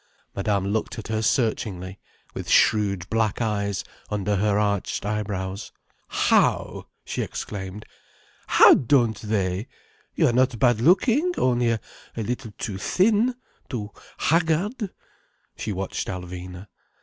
Madame looked at her searchingly, with shrewd black eyes under her arched eyebrows. "How!" she exclaimed. "How don't they? You are not bad looking, only a little too thin—too haggard—" She watched Alvina.